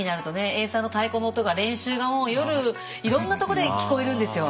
エイサーの太鼓の音が練習がもう夜いろんなとこで聞こえるんですよ。